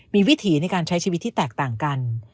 มีวิถีในการใช้ชีวิตที่แตกต่างกัน